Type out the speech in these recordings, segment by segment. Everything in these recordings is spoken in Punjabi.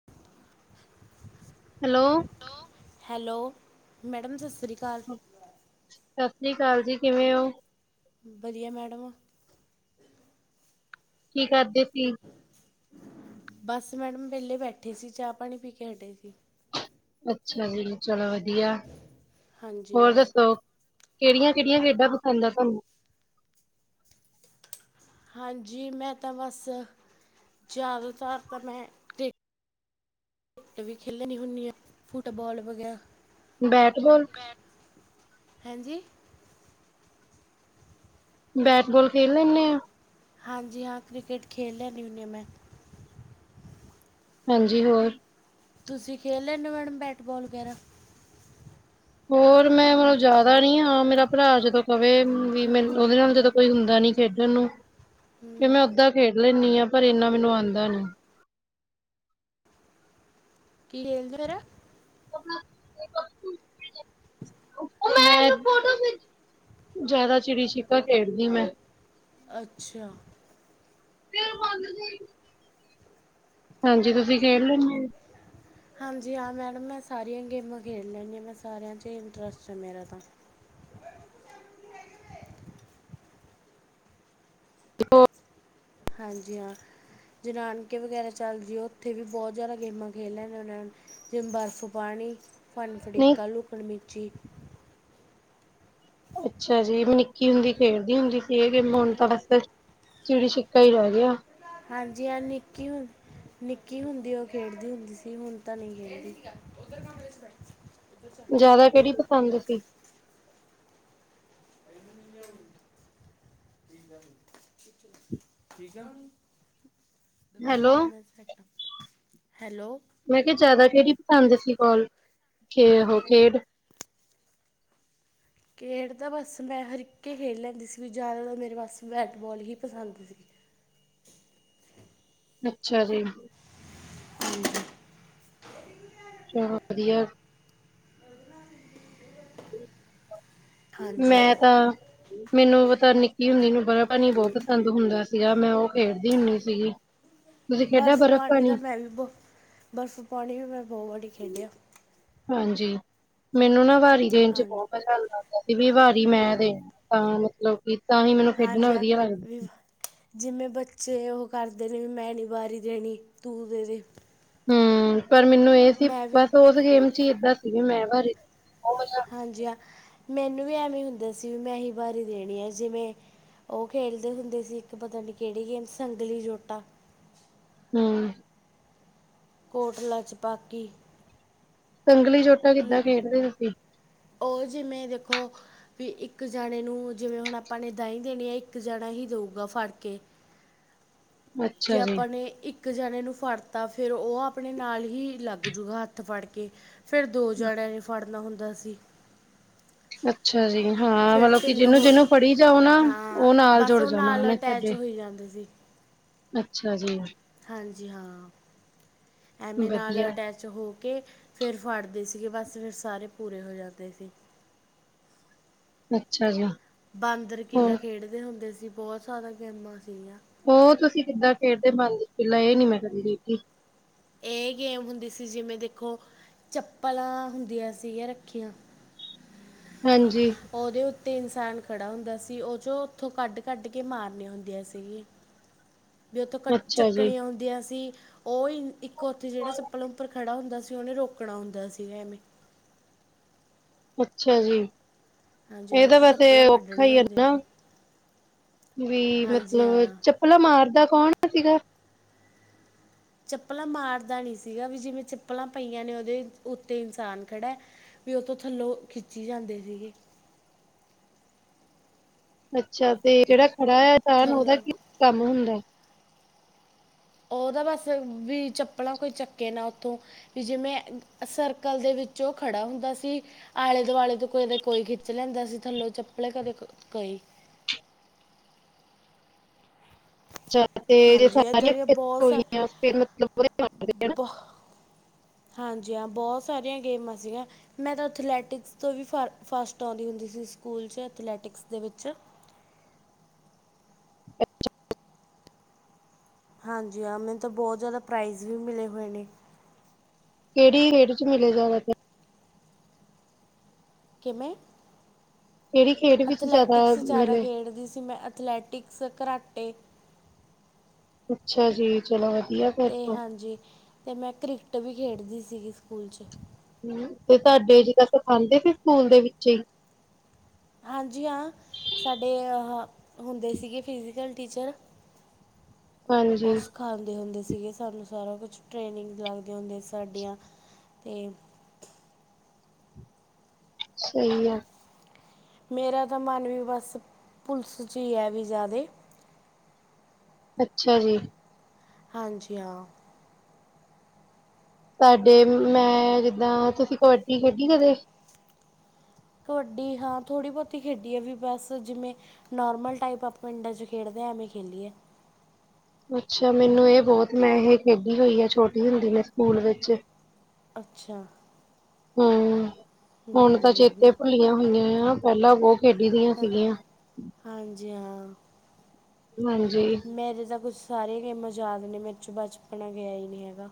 [unintelligible] ਹੈਲੋ। ਹੈਲੋ ਮੈਡਮ ਸਤਿ ਸ਼੍ਰੀ ਅਕਾਲ। ਸਤਿ ਸ੍ਰੀ ਅਕਾਲ ਜੀ ਕਿਵੇਂ ਹੋ। ਵਧੀਆ ਮੈਡਮ। ਕੀ ਕਰਦੇ ਸੀ? ਬਸ ਮੈਡਮ ਵਿਹਲੇ ਬੈਠੇ ਸੀ ਚਾਹ ਪਾਣੀ ਪੀ ਕੇ ਹਟੇ ਸੀ। ਅੱਛਾ ਜੀ ਚਲੋ ਵਧੀਆ, ਹਾਂਜੀ ਹੋਰ ਮੈਡਮ ਦੱਸੋ। ਕਿਹੜੀਆਂ ਕਿਹੜੀਆਂ ਖੇਡਾਂ ਪਸੰਦ ਆ ਤੁਹਾਨੂੰ? ਹਾਂਜੀ ਮੈਂ ਤਾਂ ਬਸ ਜ਼ਿਆਦਾ ਤਰ ਤਾਂ ਮੈਂ ਕ੍ਰਟ ਵੀ ਖੇਲਣੀ ਹੁੰਦੀ ਆ ਫੁੱਟਬਾਲ ਵਗੈਰਾ। Bat ball? ਬੈਟ ਹਾਂਜੀ? ਬੈਟ ਬਾਲ ਖੇਡ ਲੈਂਦੇ ਹ? ਹਾਂਜੀ ਹਾਂ ਕ੍ਰਿਕਟ ਖੇਡ ਲੈ ਹੂਨੀਅਮੈਂ ਹਾਂਜੀ ਹੋਰ। ਤੁਸੀਂ ਖੇਡ ਲੈਂਦੇ ਹੋ ਮੈਡਮ ਬੈਟਬਾਲ ਵਗੈਰਾ? ਹੋਰ ਮੈਂ ਮਤਲਬ ਜ਼ਿਆਦਾ ਨੀ ਹਾਂ ਮੇਰਾ ਭਰਾ ਜਦੋਂ ਕਵੇ ਵੀ ਮ ਉਹਦੇ ਨਾਲ ਜਦੋਂ। ਕੋਈ ਹੁੰਦਾ ਨੀ ਖੇਡਣ ਨੂੰ ਕਿ ਹੂੰ ਮੈਂ ਓਦਾਂ ਖੇਡ ਲੈਂਦੀ ਹਾਂ ਪਰ ਇੰਨਾ ਮੈਨੂੰ ਆਉਂਦਾ ਨੀ। ਕੀ ਖੇਲਦੇ ਹੋਰਾ? ਹਾ ਹੋ ਤੂ ਨਹੀਂ ਖੇਡਿਆ? ਜਿਆਦਾ ਚਿੜੀ ਛਿਖਾ ਖੇਡਦੀ ਮੈਂ। ਅੱਛਾ। ਤੇਨ ਬੰਦ ਸੀ। ਹਾਂਜੀ, ਤੁਸੀਂ ਖੇ ਲੈਂਦੇ ਹੋ? ਹਾਂਜੀ, ਹਾਂ ਮੈਡਮ ਮੈਂ ਸਾਰੀਆਂ ਗੇਮਾਂ ਖੇਡ ਲੈਂਦੀ ਹਾਂ ਮੈਂ ਸਾਰਿਆਂ 'ਚ ਹੀ ਇੰਟਰਸਟ ਹ ਮੇਰਾ ਤਾਂ। [unintelligible] ਹਾਂਜੀ, ਹਾਂ। ਜੇ ਨਾਨਕੇ ਵਗੈਰਾ ਚੱਲ ਜੀਏ ਓਥੇ ਵੀ ਬੋਤ ਜ਼ਾਦਾ ਗੇਮਾਂ ਖੇਲ ਲੈਂਨੇ ਓਨਾਂ ਨਾਲ। ਜਿਵੇਂ ਬਰਫ਼ ਪਾਨੀ, ਫੜਨ ਨਹੀਂ ਫੜੀਕਾ, ਲੂਕਨ ਮਿਚੀ ਅੱਛਾ ਜੀ ਮੈਂ ਨਿੱਕੀ ਹੁੰਦੀ ਖੇਡਦੀ ਹੁੰਦੀ ਸੀ ਏ ਗੇਮਾਂ ਹੁਨ ਤਾਂ ਬਸ ਚਿੜੀ ਛਿਕਾ ਈ ਰੈ ਗੇਆ। ਹਾਂਜੀ ਹਾਂ ਨਿੱਕੀ ਹੁੰ ਨਿੱਕੀ ਹੁੰਦੀ ਓ ਖੇਡਦੀ ਹੁੰਦੀ ਸੀ ਹੁਨ ਤਾਂ ਨੀ ਖੇਡਦੀ। ਜ਼ਾਦਾ ਕੇੜੀ ਪਸੰਦ ਸੀ। ਕੀ ਗੱਲ ਹੋਈ ਪੁੱਛ ਲੈ ਠੀਕ ਐਂ। ਹੈਲੋ ਹਾਂ ਮੈਂ ਸੈਟ ਆਂ, ਹੈਲੋ। ਮੈਂ ਕਿਆ ਜ਼ਾਦਾ ਕੇੜੀ ਪਸੰਦ ਸੀ ਕੋਲ ਖੇ ਓਹ ਖੇਡ ਖੇਡ ਤਾਂ ਬਸ ਮੈਂ ਹਰਿੱਕ ਏ ਖੇਡ ਲੈਂਦੀ ਸੀ ਵੀ ਜ਼ਾਦਾਤਰ ਮੇਰੇ ਵਾਸਤੇ ਬੈਟਬੋਲ ਈ ਪਸੰਦ ਸੀ। ਅੱਛਾ ਜੀ। [inaudible] ਚਲੋ ਵਦੀਐ। ਹਾਂਜੀ, ਮੈਂ ਤਾਂ ਮੈਨੂੰ ਪਤਾ ਨਿੱਕੀ ਹੁੰਦੀ ਨੂੰ ਬਰਫ ਪਾਨੀ ਬੋਤ ਪਸੰਦ ਹੁੰਦਾ ਸੀਗਾ ਮੈਂ ਓ ਖੇਡਦੀ ਹੁੰਦੀ ਸੀਗੀ। ਬਰਫ਼ ਪਾਣੀ ਤਾਂ ਮੈਂ ਵੀ ਬਹੁ, ਬਰਫ਼ ਪਾਣੀ ਵੀ ਮੈਂ ਬਹੁ ਵਾਰੀ ਖੇਡੇਆ। ਹਾਂਜੀ, ਮੈਨੂੰ ਨਾ ਵਾਰੀ ਦੇਨ ਚ ਹਾਂਜੀ ਬਹੁ ਮਜ਼ਾ ਆਂਦਾ। ਵੀ ਵਾਰੀ ਮੈਂ ਦੇ ਤਾਂ ਮਤਲਬ ਕੇ ਤਾਂਹੀ ਮੈਨੂੰ ਖੇਡਨਾ ਹਾਂਜੀ ਆ ਵਦੀਆ ਲੱਗਦਾ ਵੀ ਸੀ। ਜਿਵੇਂ ਬੱਚੇ ਓਹ ਕਰਦੇ ਨੇ ਵੀ ਮੈਂ ਨੀ ਵਾਰੀ ਦੇਨੀ ਤੂੰ ਦੇ-ਦੇ। ਹੂੰ ਪਰ ਮੈਨੂੰ ਏਹ ਸੀ ਵੀ ਬਸ ਓਸ ਗੇਮ ਚ ਏਦਾਂ ਸੀ ਵੀ ਮੈਂ ਵਾਰੀ ਹਾਂਜੀ ਹਾਂ ਮੈਨੂੰ ਵੀ ਐਵੀਂ ਹੁੰਦਾ ਸੀ ਵੀ ਮੈਂ ਈ ਵਾਰੀ ਦੇਨੀ ਆ ਜਿਵੇਂ ਓਹ ਖੇਲਦੇ ਹੁੰਦੇ ਸੀ ਇੱਕ ਪਤਾ ਨੀ ਕੇੜੀ ਗੇਮ ਸੰਗਲੀ ਜੋਟਾ। ਹੂੰ। ਕੋਟਲਾ ਛਪਾਕੀ ਸੰਗਲੀ ਜੋਟਾ ਕਿੱਦਾਂ ਖੇਡਦੇ ਹੁੰਦੇ ਸੀ। ਓਹ ਜਿਵੇਂ ਦੇਖੋ ਵੀ ਇੱਕ ਜਾਨੇ ਨੂੰ ਜਿਵੇਂ ਹੁਨ ਆਪਾਂ ਨੇ ਦਾਈਂ ਦੇਨੀ ਐ ਇੱਕ ਜਨਾ ਈ ਦੇਊਗਾ ਫੜ ਕੇ। ਜੇ ਅੱਛਾ ਜੀ, ਆਪਾਂ ਨੇ ਇੱਕ ਇੱਕ ਜਾਨੇ ਨੂੰ ਫੜਤਾ ਫੇਰ ਓਹ ਆਪਨੇ ਨਾਲ ਹੀ ਲੱਗਜੂਗਾ ਹੱਥ ਫੜ ਕੇ। ਫੇਰ ਦੇ ਜਨੇਆ ਨੇ ਫੜਨਾ ਹੁੰਦਾ ਸੀ। ਅੱਛਾ ਜੀ ਹਾਂ ਫਿਰ ਮਤਲਬ ਕਿ ਤਿੰਨ ਜਿਨੂੰ- ਹੋ ਜਿਨੂੰ ਫੜੀ ਜਾਓ ਨਾ, ਹਾਂ ਓ ਨਾਲ ਬਸ ਜੁੜ ਉਹ ਜਾ ਨਾਲ ਅਟੈਚ ਹੋਈ ਜਾਂਦੇ ਸੀ। ਅੱਛਾ ਜੀ। ਹਾਂਜੀ ਹਾਂ, ਐਮੀ ਨਾਲ ਵਧੀਆ, ਅਟੈਚ ਚ ਹੋ ਕੇ ਫਿਰ ਫੜਦੇ ਸੀਗੇ ਬਸ ਫਿਰ ਸਾਰੇ ਪੂਰੇ ਹੋ ਜਾਂਦੇ ਸੀ। ਅੱਛਾ ਜੀ। ਬਾਂਦਰ ਕਿਲਾ ਹੋਰ, ਖੇਡਦੇ ਹੁੰਦੇ ਸੀ ਬਹੁ ਸਾਰਾ ਗੇਮਾਂ ਸੀਗੀਆਂ। ਓ ਤੁਸੀਂ ਕਿੱਦਾਂ ਖੇਡਦੇ ਬਾਂਦਰ ਕਿਲਾ ਏ ਨੀ ਮੈਂ ਕਦੀ ਖੇਡੀ। ਏ ਗੇਮ ਹੁੰਦੀ ਸੀ ਜਿਵੇਂ ਦੇਖੋ, ਚੱਪਲਾਂ ਹੁੰਦੀਆਂ ਸੀਗੀਆਂ ਰੱਖੀਆਂ ਹਾਂਜੀ। ਓਦੇ ਉੱਤੇ ਇਨਸਾਨ ਖੜਾ ਹੁੰਦਾ ਸੀ ਓ ਚੋਂ ਉੱਥੋਂ ਕੱਢ-ਕੱਢ ਕੇ ਮਾਰਨੀਆਂ ਹੁੰਦੀਆਂ ਸੀਗੀਆਂ। [inaudible] ਵੀ ਓਥੋਂ ਕੱ ਅੱਛਾ ਜੀ। ਚੱਕਨੀਆਂ ਹੁੰਦੀਆਂ ਸੀ। ਓਹ ਈ ਇੱਕ ਓਥੇ ਜੇੜਾ ਚੱਪਲਾਂ ਉੱਪਰ ਖੜ੍ਹਾ ਹੁੰਦਾ ਸੀ ਓਨੇ ਰੋਕਨਾ ਹੁੰਦਾ ਸੀਗਾ ਐਵੇਂ। ਅੱਛਾ ਜੀ ਹਾਂਜੀ ਉਹ ਇਹਦਾ 'ਚੋਂ ਵੈਸੇ ਚੱਪਲਾਂ ਔਖਾ ਕੱਢਣੀਆਂ ਹੈ ਹੁੰਦੀਆਂ ਨਾ। ਸੀ ਵੀ ਹਾਂਜੀ ਮਤਲਬ ਹਾਂ ਚੱਪਲਾਂ ਮਾਰਦਾ ਕੌਣ ਸੀਗਾ। ਚੱਪਲਾਂ ਮਾਰਦਾ ਨੀ ਸੀਗਾ ਵੀ ਜਿਵੇਂ ਚੱਪਲਾਂ ਪਈਆਂ ਨੇ ਉਹਦੇ ਉੱਤੇ ਇਨਸਾਨ ਖੜ੍ਹਾ ਵੀ ਉਹ ਤੋ ਥੱਲੋ ਖਿੱਚੀ ਜਾਂਦੇ ਸੀਗੇ। ਅੱਛਾ ਤੇ ਜਿਹੜਾ ਖੜਾ ਆ ਚ ਉਹਦਾ ਥੱਲੋਂ ਕੀ ਕੰਮ ਹੁੰਦਾ। ਉਹਦਾ ਬਸ ਵੀ ਚੱਪਲਾ ਕੋਈ ਚੱਕੇ ਨਾ ਉੱਥੇ। ਵੀ ਜਿਵੇਂ ਸਰਕਲ ਦੇ ਵਿੱਚ ਖੜਾ ਹੁੰਦਾ ਸੀ। ਆਲੇ ਦੁਆਲੇ ਤੋ ਕਦੇ ਕੋਈ ਖਿੱਚ ਲੈਂਦਾ ਸੀ ਥੱਲੋ ਚੱਪਲ ਕਦੇ ਕੋਈ। ਅੱਛਾ ਤੇ [inaudible] ਹਾਂਜੀ ਇਦਾਂ ਦੀਆਂ ਬਹੁਤ ਸਾ ਬਹੁ- ਹਾਂਜੀ ਹਾਂ ਬੌਤ ਸਾਰੀਆ ਗੇਮਾ ਸੀਗਾ। ਮੈਂ ਤਾਂ ਅਥਲੈਟਿਕਸ ਤੋਂ ਵੀ ਫ ਫਾਸਟ ਓਨਦੀ ਹੁੰਦੀ ਸੀ ਸਕੂਲ ਚ ਅਥਲੈਟਿਕਸ ਦੇ ਵਿੱਚ। [inaudible] ਹਾਂਜੀ ਹਾਂ ਮੈਨੂੰ ਤਾਂ ਬੌਤ ਜਾਦਾ ਪ੍ਰਾਈਜ਼ ਵੀ ਮਿਲੇ ਹੋਏ ਨੇ। ਕਿਹੜੀ ਰੇਟ ਚ ਮਿਲੇ ਜਾਦਾ ਪ ਕਿਵੇਂ ਕਿਹੜੀ ਖੇਡ ਵਿੱਚ ਜ਼ਿਆਦਾ ਅਥਲੈਟਿਕਸ ਜਾਦਾ ਮਿਲੇ ਖੇਡਦੀ ਸੀ ਮੈਂ ਅਥਲੈਟ ਟਿਕਸ, ਕਰਾਟੇ। ਅੱਛਾ ਜੀ ਚਲੋ ਵਧੀਆ ਫੇਰ ਤੋ। ਜੀ ਤੇ ਮੈਂ ਕ੍ਰਿਕਟ ਵੀ ਖੇਡਦੀ ਸੀਗੀ ਸਕੂਲ ਚ। ਹ ਤੇ ਤੁਡੇ ਜਿੱਦਾਂ ਸਿਖਾਂਦੇ ਸੀ ਸਕੂਲ ਦੇ ਵਿਚੇ ਹੀ। ਹਾਂਜੀ ਹਾਂ ਸਾਡੇ ਹੁੰਦੇ ਸੀਗੇ ਫਿਜ਼ਕਲ ਟੀਚਰ। ਹਾਂਜੀ ਉਸ ਖਾਂਦੇ ਹੁੰਦੇ ਸੀਗੇ ਸਾਨੂੰ ਸਾਰਾ ਕੁਛ ਟ੍ਰੇਨਿੰਗ ਲੱਗਦੇ ਹੁੰਦੇ ਸਾਡੀਆ ਤੇ ਸਹੀ ਹੈ। ਮੇਰਾ ਤਾਂ ਮਨ ਵੀ ਬਸ ਪੁਲਿਸ ਚ ਹੀ ਹੈ ਵੀ ਜਾਦੇ। ਅੱਛਾ ਜੀ। ਹਾਂਜੀ ਹਾਂ। ਸਾਡੇ ਮੈਂ ਜਿੱਦਾਂ ਤੁਸੀਂ ਕਬੱਡੀ ਖੇਡੀ ਕਦੇ? ਕਬੱਡੀ ਹਾਂ ਥੋੜ੍ਹੀ ਬਹੁਤੀ ਖੇਡੀ ਹੈ ਵੀ ਬਸ ਜਿਵੇਂ ਨੋਰਮਲ ਟਾਈਪ ਆਪਾਂ ਪਿੰਡਾਂ ਚ ਖੇਡਦੇ ਆ ਐਵੇਂ ਖੇਲੀਏ। ਅੱਛਾ ਮੈਨੂੰ ਇਹ ਬਹੁਤ ਮੈਂ ਇਹ ਖੇਡੀ ਹੋਈ ਆ ਛੋਟੀ ਹੁੰਦੀ ਮੈਂ ਸਕੂਲ ਵਿੱਚ। ਅੱਛਾ ਹੂੰ ਹੁਣ ਤਾਂ ਹੂੰ, ਚੇਤੇ ਭੁੱਲੀਆਂ ਹੋਈਆ ਆ। ਪਹਿਲਾ ਬੋਹ ਖੇਡੀ ਦੀਆ ਸੀਗੀਆ। ਹਾਂਜੀ ਹਾਂ। ਹਾਂਜੀ ਮੇਰੇ ਤੇ ਸਭ ਕੁਛ ਸਾਰੀਆਂ ਗੇਮਾਂ ਯਾਦ ਨੇ ਮੇਰੇ ਚੋਂ ਬਚਪਨ ਗਿਆ ਹੀ ਨੀ ਹੈਗਾ।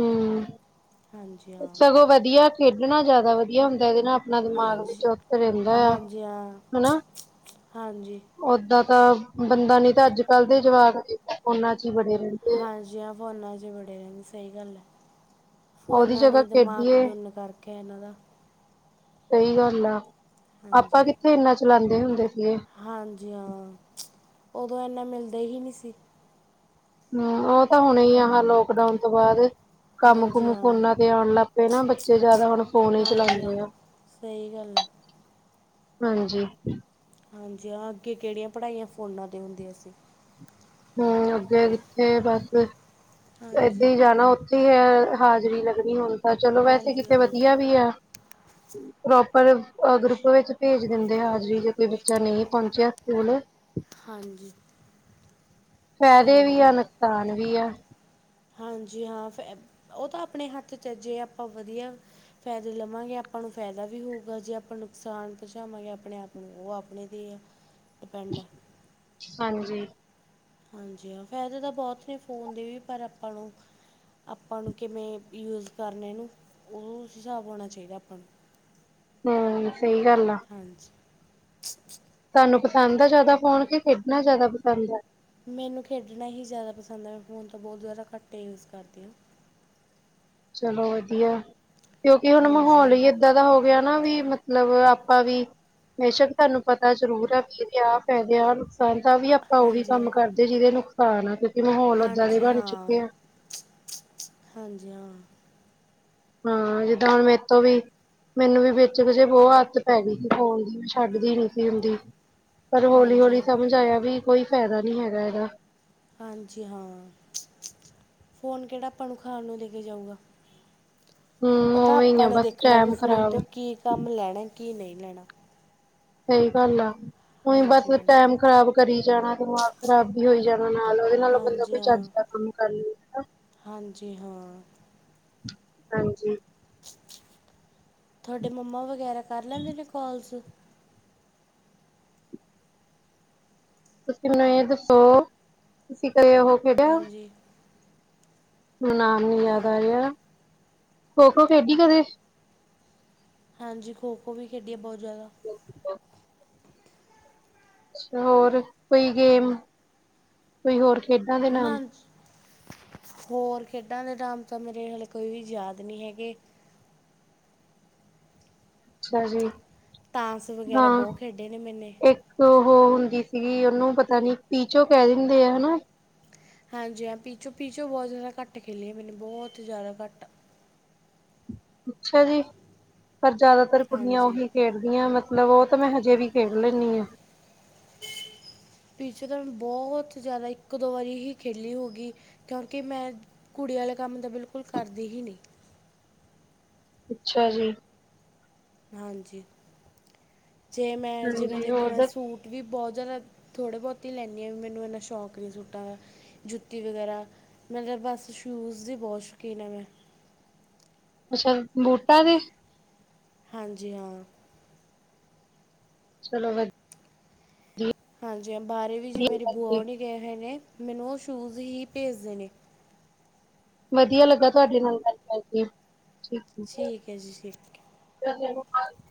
ਹਮ ਹਾਂਜੀ ਹਾਂ ਸਗੋਂ ਵਧੀਆ ਖੇਡਣਾ ਜਾਦਾ ਵਧੀਆ ਹੁੰਦਾ ਇਹਦੇ ਨਾਲ ਆਪਣਾ ਦਿਮਾਗ ਵੀ ਹਾਂਜੀ ਚੁਸਤ ਰਹਿੰਦਾ ਆ ਹਾਂਜੀ ਹਾਂ ਹਨਾ। ਹਾਂਜੀ ਓਦਾਂ ਤਾਂ ਬੰਦਾ ਨੀ ਤਾਂ ਅੱਜ ਕੱਲ ਦੇ ਜਵਾਕ ਫੋਨਾ ਚ ਹੀ ਬੜੇ ਰਹ ਹਾਂਜੀ ਹਾਂ ਫੋਨਾ ਚ ਹੀ ਵੱਡੇ ਰਨੇ ਸਹੀ ਗੱਲ ਹੈ। ਉਹਦੀ ਭੋਨਾ ਜਗ੍ਹਾ ਨ ਦਿਮਾਗ ਖੇਡੀਏ ਡੁੰਨ ਕਰਕੇ ਇਹਨਾਂ ਦਾ। ਸਹੀ ਗੱਲ ਆ ਆਪਾਂ ਹਾਂਜੀ ਕਿੱਥੇ ਇੰਨਾ ਚਲਾਦੇ ਹੁੰਦੇ ਸੀਗੇ। ਹਾਂਜੀ ਹਾਂ ਉਦੋਂ ਇੰਨਾ ਮਿਲਦਾ ਹੀ ਨਹੀਂ ਸੀ। ਹ ਉਹ ਤਾਂ ਹੁਣੇ ਹੀ ਆ ਲੋਕਡਾਊਨ ਤੋਂ ਬਾਦ। ਕੰਮ ਹਾਂਜੀ ਕੁਮ ਹਾਂ ਫੋਨਾਂ ਤੇ ਆਉਣ ਲੱਗ ਪਏ ਨਾ ਬੱਚੇ ਜਾਦਾ ਹੁਣ ਫੋਨ ਹੀ ਹਾਂਜੀ ਹਾਂ ਚਲਾਉਂਦੇ ਆ। ਸਹੀ ਗੱਲ ਐ ਹਾਂਜੀ ਹਾਂਜੀ ਹਾਂ ਅੱਗੇ ਕਿਹੜੀਆਂ ਪੜ੍ਹਾਈਆਂ ਫੋਨਾਂ 'ਤੇ ਹੁੰਦੀਆਂ ਸੀ ਹਮ ਅੱਗੇ ਕਿੱਥੇ ਬਸ ਏਦਾਂ ਹਾਂਜੀ ਹੀ ਜਾਣਾ ਉ [unintelligible] ਹਾਜ਼ਰੀ ਲੱਗਣੀ ਹੁਣ ਤਾਂ, ਚਲੋ ਵੈਸੇ ਹਾਂਜੀ ਕਿਤੇ ਹਾਂ ਵਧੀਆ ਵੀ ਆ ਪ੍ਰੋਪਰ ਗਰੁੱਪ ਵਿੱਚ ਭੇਜ ਦਿੰਦੇ ਆ ਹਾਜ਼ਰੀ ਜੋ ਕੋਈ ਬੱਚਾ ਨਹੀਂ ਪਹੁੰਚਿਆ ਪੂਨ। [unintelligible] ਹਾਂਜੀ ਫੈਦੇ ਸਹੀ ਵੀ ਆ ਗੱਲ ਹੈ ਨੁਕਸਾਨ ਵੀ ਆ ਹਾਂਜੀ ਹਾਂ ਫੈ ਉਹ ਤਾਂ ਆਪਣੇ ਹੱਥ ਚ ਆ ਜੇ ਆਪਾਂ ਵਧੀਆ ਫੈਦੇ ਲਵਾਂਗੇ ਆਪਾਂ ਨੂੰ ਫਾਇਦਾ ਵੀ ਹੋਊਗਾ ਜੇ ਆਪਾਂ ਨੁਕਸਾਨ ਪਹੁੰਚਾਵਾਂਗੇ ਆਪਣੇ ਆਪ ਨੂੰ ਉਹ ਆਪਣੇ ਤੇ ਆ ਡੀਪੈਂਡ ਐ ਹਾਂਜੀ ਹਾਂਜੀ ਹਾ ਫ਼ਾਇਦੇ ਤਾਂ ਬਹੁਤ ਨੇ ਫੋਨ ਦੇ ਵੀ ਪਰ ਆਪਾਂ ਨੂੰ ਆਪਾਂ ਨੂੰ ਕਿਵੇਂ ਯੂਜ ਕਰਨੇ ਉਹ ਹਿਸਾਬ ਹੋਣਾ ਚਾਹੀਦਾ ਆਪਾਂ ਨ ਹਮ ਸਹੀ ਗੱਲ ਆ ਹਾਂਜੀ ਤੁਹਾਨੂੰ ਪਸੰਦ ਆ ਜ਼ਿਆਦਾ ਫੋਨ ਕੇ ਖੇਡਣਾ ਜ਼ਿਆਦਾ ਪਸੰਦ ਆ ਮੈਨੂੰ ਖੇਡਣਾ ਹੀ ਜ਼ਿਆਦਾ ਪਸੰਦ ਹੈ ਮੈਂ ਫੋਨ ਤਾਂ ਬਹੁਤ ਜ਼ਿਆਦਾ ਘੱਟੇ ਯੂਜ ਕਰਦੀ ਆਂ ਚਲੋ ਵਧੀਆ ਕਿਉਂਕਿ ਹੁਣ ਹਾਂਜੀ ਮਾਹੌਲ ਹਾਂ ਹੀ ਇ ਦਾਂ ਦਾ ਹੋ ਗਿਆ ਨਾ ਵੀ ਮਤਲਬ ਆਪਾਂ ਵੀ ਬੇਸ਼ੱਕ ਤੁਹਾਨੂੰ ਪਤਾ ਜ਼ਰੂਰ ਆ ਵੀ ਏਦੇ ਆ ਫੈਦੇ ਆ ਨੂੰ ਸਾਨ ਤਾਂ ਵੀ ਆਪਾਂ ਉਹੀ ਹਾਂਜੀ ਹਾਂ ਕੰਮ ਕਰਦੇ ਜਿਹਦੇ ਨੁਕਸਾਨ ਆ ਕਿਉਂਕਿ ਮਾਹੌਲ ਓਦਾਂ ਦੇ ਹਾਂਜੀ ਬਣ ਚੁੱਕੇ ਹਾਂ ਆ ਹਾਂਜੀ ਹਾਂ ਹਾਂ ਜਿੱਦਾਂ ਹੁਣ ਮੇ ਤੋਂ ਵੀ ਮੈਨੂੰ ਵੀ ਵਿੱਚ ਕ ਜੇ ਬਹੁ ਆਦਤ ਪੈ ਗਈ ਸੀ ਫੋਨ ਛੱਡਦੀ ਨੀ ਸੀ ਹੁੰਦੀ, ਪਰ ਹੌਲੀ ਹਾਂਜੀ ਹੌਲੀ ਹਾਂ ਸਮਝ ਆਇਆ ਵੀ ਕੋਈ ਫੈਦਾ ਨੀ ਹੈਗਾ ਇਹਦਾ ਹਾਂਜੀ ਹਾਂ ਫੋਨ ਕਿਹੜਾ ਆਪਾਂ ਨੂੰ ਖਾਣ ਨੂੰ ਦੇ ਕੇ ਜਾਊਗਾ ਹਮ ਉਹ ਤਾਂ ਉਵੇਂ ਹੀ ਆ ਆਪਾਂ ਨੇ ਬਸ ਦੇਖਣਾ ਵੀ ਟੈਮ ਫੋਨ ਖ਼ਰਾਬ ਤੋਂ ਕੀ ਕੰਮ ਲੈਣਾ ਕੀ ਨਹੀਂ ਲੈਣਾ ਸਹੀ ਗੱਲ ਆ ਉਹੀ ਬਸ ਹਾਂਜੀ ਮੈਡਮ ਟੈਮ ਖ਼ਰਾਬ ਕਰੀ ਜਾਣਾ ਦਿਮਾਗ ਖ਼ਰਾਬ ਵੀ ਹੋਈ ਜਾਣਾ ਨਾਲ ਉਹਦੇ ਨਾਲੋਂ ਬੰਦਾ ਹਾਂਜੀ ਕੋਈ ਚੱਜ ਹਾਂ ਕਮ ਕਰੱਲੋ। [unintelligible] ਹਾਂਜੀ ਹਾਂ ਹਾਂਜੀ ਤੁਹਾਡੇ ਮੰਮਾ ਵਗੈਰਾ ਕਰ ਲੈਂਦੇ ਨੇ ਕੋਲਸ ਤੁਸੀਂ ਮੈਨੂੰ ਇਹ ਦੱਸੋ ਤੁਸੀਂ ਕੀ ਕਦੇ ਉਹ ਖੇਡਿਆ ਹਾਂਜੀ ਮੈਨੂੰ [unintelligible] ਨਾਮ ਨੀ ਕਿਆ ਯਾਦ ਆ ਰਿਹਾ, ਖੋ ਖੋ ਖੇਡੀ ਕਦੇ? ਹਾਂਜੀ ਖੋ ਖੋ ਵੀ ਖੇਡੀ ਆ ਬਹੁਤ ਜ਼ਿਆਦਾ ਛਾ ਹੋਰ ਕੋਈ ਗੇਮ ਕੋਈ ਹੋਰ ਖੇਡਾਂ ਦੇ ਨਾਮ ਨਾਂ ਜ ਹੋਰ ਖੇਡਾਂ ਦੇ ਟੈਮ ਤਾਂ ਮੇਰੇ ਹਾਲੇ ਕੋਈ ਵੀ ਯਾਦ ਨਹੀਂ ਹੈਗੇ ਅੱਛਾ ਜੀ ਤਾਸ ਵਗੈਰਾ ਹਾਂ ਬਹੁਤ ਖੇਡੇ ਨੇ ਮੇਨੇ ਇੱਕ ਉਹ ਹੁੰਦੀ ਸੀਗੀ ਉਹਨੂੰ ਪਤਾ ਨੀ ਪੀਚੋ ਕਹਿ ਦਿੰਦੇ ਆ ਹਨਾ ਹਾਂਜੀ ਹਾਂ ਪੀਚੋਂ ਪੀਚੋ ਬਹੁਤ ਜ਼ਿਆਦਾ ਘੱਟ ਖੇਲੇ ਮੈਨੇ ਬਹੁਤ ਜ਼ਿਆਦਾ ਘੱਟ ਅੱਛਾ ਜੀ ਪਰ ਜ਼ਿਆਦਾਤਰ ਕੁੜੀਆਂ ਹਾਂਜੀ ਉਹੀ ਖੇਡਦੀਆਂ ਮ ਲਬ ਉਹ ਤਾਂ ਮੈਂ ਹਜੇ ਵੀ ਖੇਡ ਲੈਂਨੀ ਏ [inaudible] ਪੀਚੋ ਤਾਂ ਮ ਬਹੁਤ ਜ਼ਿਆਦਾ ਇੱਕ ਦੋ ਵਾਰੀ ਹੀ ਖੇਲੀ ਹੋਗੀ ਕਿਉਂਕਿ ਮੈਂ ਕੁੜੀ ਆਲੇ ਕੰਮ ਤਾਂ ਬਿਲਕੁਲ ਕਰਦੀ ਹੀ ਨੀ ਅੱਛਾ ਜੀ ਹਾਂਜੀ ਜੇ ਮੈਂ ਜਿਵੇਂ ਹਾਂਜੀ ਦੇਖੋ ਮੈਂ ਉਹਦਾ ਸੂ ਵੀ ਬਹੁ ਜ਼ਿਆਦਾ ਥੋੜ੍ਹੇ ਬਹੁਤ ਈ ਲੈਨੀ ਆਂ ਵੀ ਮੈਨੂੰ ਇੰਨਾ ਸ਼ੌਂਕ ਨਹੀਂ ਸੂਟਾਂ ਦਾ ਜੁੱਤੀ ਵਗੈਰਾ ਮਤਲਬ ਬਸ ਸ਼ੂਜ ਦੀ ਬਹੁਤ ਸ਼ੌਕੀਨ ਐ ਮੈਂ ਅੱਛਾ ਬੂਟਾਂ ਦੀ ਹਾਂਜੀ ਹਾਂ ਚਲੋ ਵ ਹਾਂਜੀ ਹਾਂ ਬਾਰੇ ਵੀ ਜੇ ਮੇਰੀ ਬੂਆ ਵਧੀਆ ਹੁਣੀ ਗਏ ਹੋਏ ਨੇ ਮੈਨੂੰ ਉਹ ਸ਼ੂਜ਼ ਹੀ ਭੇਜਦੇ ਨੇ ਵਧੀਆ ਲੱਗਾ ਤੁਹਾਡੇ ਨਾਲ ਗੱਲ ਕਰਕੇ ਠੀਕ ਹੈ [unintelligible] ਜੀ ਠੀਕ ਹੈ [unintelligible]